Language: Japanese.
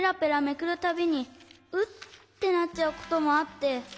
めくるたびにウッてなっちゃうこともあって。